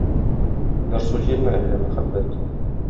Ярсу җилме әллә мәхәббәт?